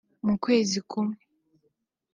mu kwezi kumwe